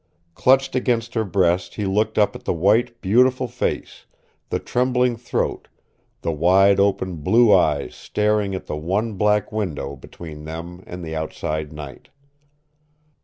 Clutched against her breast he looked up at the white, beautiful face, the trembling throat, the wide open blue eyes staring at the one black window between them and the outside night.